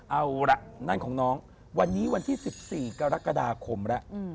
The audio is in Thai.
เอาล่ะนั่นของน้องวันนี้วันที่๑๔กรกฎาคมแล้ว